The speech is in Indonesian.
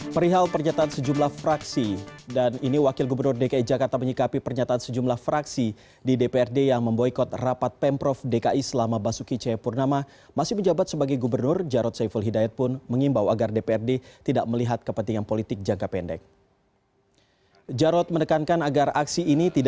perihal pernyataan sejumlah fraksi